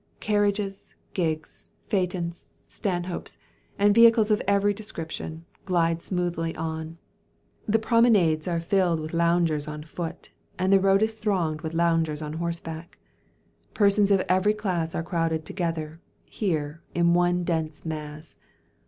Carriages, gigs, phaetons, stanhopes, and vehicles of every description, glide smoothly on. The promenades are filled with loungers on foot, and the road is thronged with loungers on horseback. Persons of every class are crowded together, here, in one dense mass.